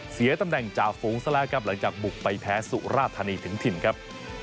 เสียตำแหน่งจ่าฝูงซะแล้วครับหลังจากบุกไปแพ้สุราธานีถึงถิ่นครับ